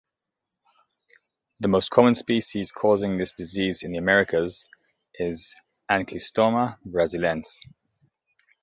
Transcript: The most common species causing this disease in the Americas is "Ancylostoma braziliense".